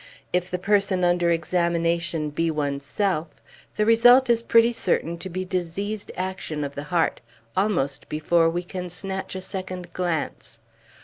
If the person under examination be one's self, the result is pretty certain to be diseased action of the heart, almost before we can snatch a second glance.